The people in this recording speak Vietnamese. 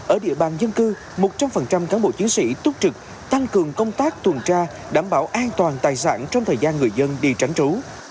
ở địa bàn dân cư một trăm linh cán bộ chiến sĩ túc trực tăng cường công tác tuần tra đảm bảo an toàn tài sản trong thời gian người dân đi tránh trú